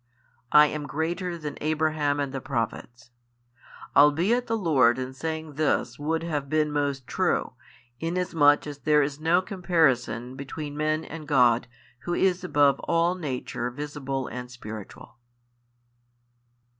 I am greater than Abraham and the Prophets: albeit the Lord in saying this would have been most true, inasmuch as there is no comparison between men and God Who is above all nature visible and spiritual.